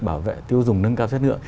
bảo vệ tiêu dùng nâng cao chất lượng